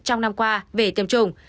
trong năm qua về tiêm chủng